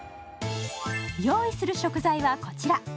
用意する食材はこちら。